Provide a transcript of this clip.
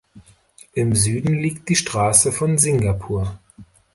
Im Süden liegt die Straße von Singapur.